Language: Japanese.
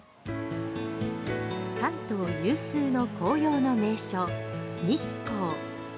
関東有数の紅葉の名所、日光。